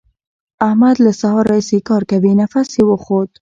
احمد له سهار راهسې کار کوي؛ نفس يې وخوت.